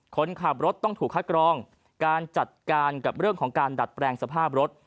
คนขับรถต้องถูกคัดกรองการจัดการกับเรื่องของการดัดแปลงสภาพรถ